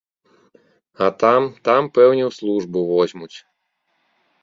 А там, там пэўне ў службу возьмуць.